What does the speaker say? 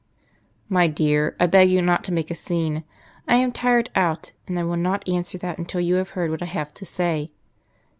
"My dear, I beg you not to make a scene. I am tired out. And I will not answer that until you have heard what I have to say."